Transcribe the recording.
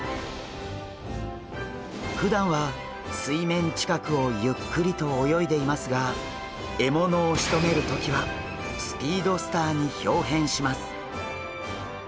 ふだんは水面近くをゆっくりと泳いでいますが獲物をしとめる時はスピードスターにひょう変します。